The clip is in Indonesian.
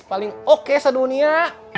paling oke se dunia